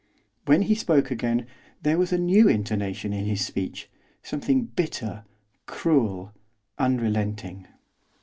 When he spoke again there was a new intonation in his speech, something bitter, cruel, unrelenting.